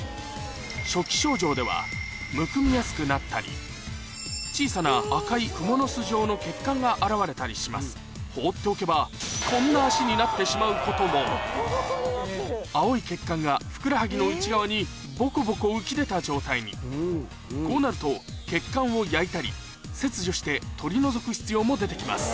初期症状ではむくみやすくなったり小さな赤いが現れたりします放っておけばなってしまうことも青い血管がふくらはぎの内側にボコボコ浮き出た状態にこうなると血管を焼いたり切除して取り除く必要も出てきます